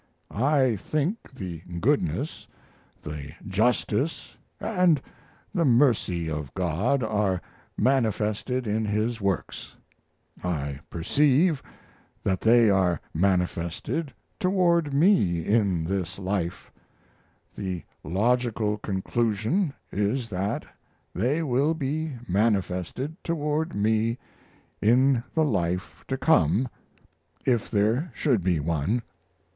I think the goodness, the justice, and the mercy of God are manifested in His works: I perceive that they are manifested toward me in this life; the logical conclusion is that they will be manifested toward me in the life to come, if there should be one.